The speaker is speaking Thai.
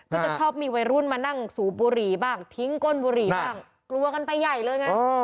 ก็จะชอบมีวัยรุ่นมานั่งสูบบุหรี่บ้างทิ้งก้นบุหรี่บ้างกลัวกันไปใหญ่เลยไง